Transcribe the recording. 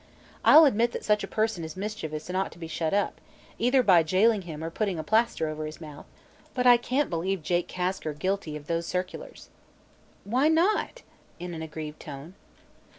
"I'll admit that such a person is mischievous and ought to be shut up, either by jailing him or putting a plaster over his mouth, but I can't believe Jake Kasker guilty of those circulars." "Why not?" in an aggrieved tone.